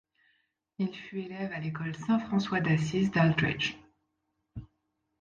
Il fut élève à l'école Saint François d'Assise d'Aldridge.